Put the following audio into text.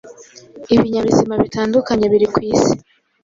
ibinyabuzima bitandukanye biri kwisi